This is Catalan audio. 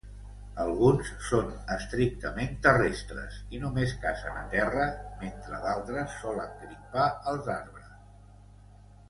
Alguns són estrictament terrestres i només cacen a terra, mentre d'altres solen grimpar als arbres.